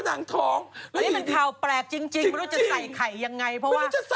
เดี๋ยวอายุ๒๑